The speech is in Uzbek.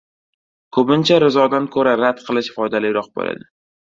• Ko‘pincha rizodan ko‘ra rad qilish foydaliroq bo‘ladi.